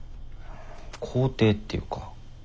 肯定っていうか。